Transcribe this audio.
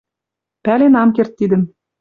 Пӓлен ам керд тидӹм.